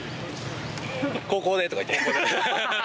後攻でとか言って。